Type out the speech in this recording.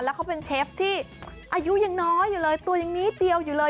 แล้วเขาเป็นเชฟที่อายุยังน้อยอยู่เลยตัวยังนิดเดียวอยู่เลย